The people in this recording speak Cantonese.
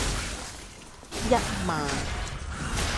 一萬